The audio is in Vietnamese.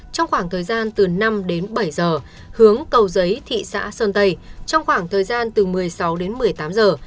trong khoảng thời gian từ năm đến bảy giờ hướng cầu giấy thị xã sơn tây trong khoảng thời gian từ một mươi sáu đến một mươi tám giờ